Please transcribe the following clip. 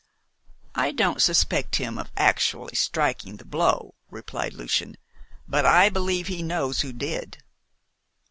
"I don't suspect him of actually striking the blow," replied Lucian, "but I believe he knows who did."